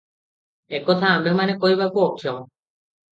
ଏକଥା ଆମ୍ଭେମାନେ କହିବାକୁ ଅକ୍ଷମ ।